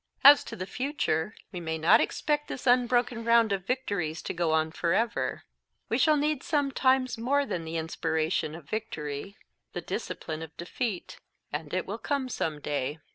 "As to the future: We may not expect this unbroken round of victories to go on forever; we shall need sometimes, more than the inspiration of victory, the discipline of defeat. And it will come some day.